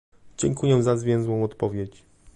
Dziękuję za zwięzłą odpowiedź